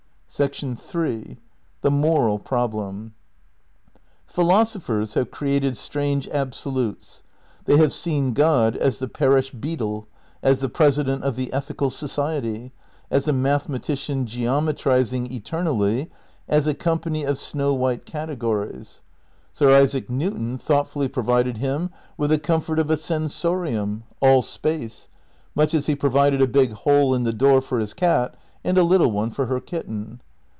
iii Philosophers have created strange Absolutes. They have seen God as the parish beadle, as the President ite of the Ethical Society, as a mathematician geometriz ^"^^^^j^ ing eternally, as a company of snow white categories. 304 THE NEW IDEALISM xi Sir Isaac Newton thoughtfully provided him with the comfort of a sensorium — all space — ^mueh as he pro vided a big hole in the door for his cat and a little one for her kitten.